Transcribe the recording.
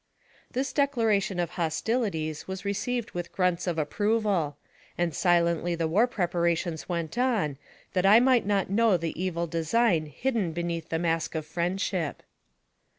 This declaration of hostilities was received with grunts of approval; and silently the war preparations went on, that I might not know the evil design hidden beneath the mask of friendship.